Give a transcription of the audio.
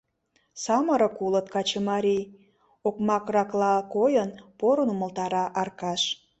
— Самырык улыт, качымарий, — окмакракла койын, порын умылтара Аркаш.